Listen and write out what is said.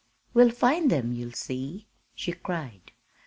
"We'll find them you'll see!" she cried.